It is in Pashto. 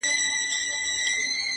له شپږو مياشتو څه درد .درد يمه زه.